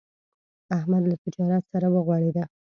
احمد له تجارت سره وغوړېدا.